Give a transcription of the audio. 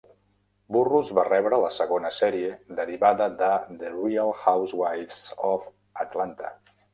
Burrus va rebre la segona sèrie derivada de The Real Housewives of Atlanta.